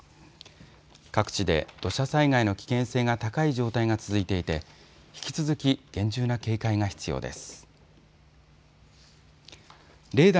各地で土砂災害の危険性が高い状態が続いていて引き続き厳重な警戒が必要です。